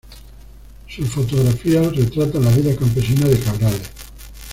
Sus fotografías retratan la vida campesina de Cabrales.